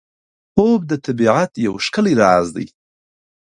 خوب د طبیعت یو ښکلی راز دی